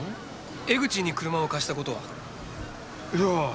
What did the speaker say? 江口に車を貸した事は？いや。